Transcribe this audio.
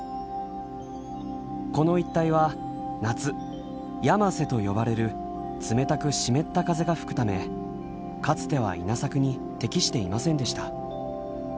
この一帯は夏やませと呼ばれる冷たく湿った風が吹くためかつては稲作に適していませんでした。